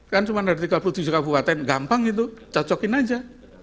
kan cuma dari tiga puluh tujuh kabupaten gampang itu cocokin aja